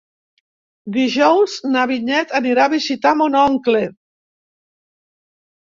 Dijous na Vinyet anirà a visitar mon oncle.